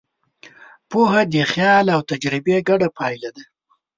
پوهه د خیال او تجربې ګډه پایله ده.